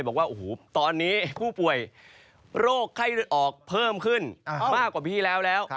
บอกว่าโอ้โหตอนนี้ผู้ป่วยโรคไข้เลือดออกเพิ่มขึ้นมากกว่าพี่แล้วแล้ว